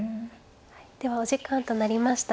はいではお時間となりました。